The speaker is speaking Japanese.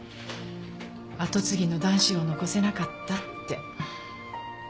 跡継ぎの男子を残せなかったって。